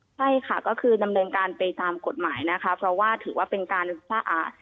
ใช่ค่ะก็คือดำเนินการไปตามกฎหมายนะคะเพราะว่าถือว่าเป็นการสะอาด